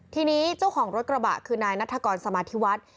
ทีนี้เจ้าของรถกระบะคือนายนัฐกรสมาธิวัฒน์